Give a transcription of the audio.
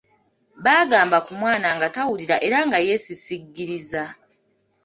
Baagamba ku mwana nga tawulira era nga yeesisiggiriza.